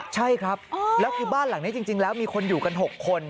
ใช่ครับแล้วคือบ้านหลังนี้จริงแล้วมีคนอยู่กัน๖คน